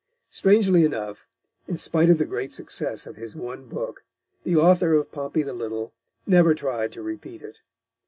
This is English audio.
Strangely enough, in spite of the great success of his one book, the author of Pompey the Little never tried to repeat it.